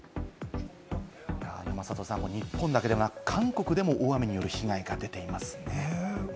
山里さん、日本だけでなく韓国でも大雨による被害が出ています。